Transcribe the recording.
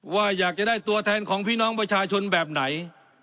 ว่าอยากจะได้ตัวแทนของพี่น้องประชาชนแบบไหน